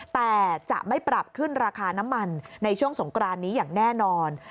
แต่จะไม่ปรับขึ้นราคาน้ำมันในช่วงสงกรานนี้อย่างแน่นอน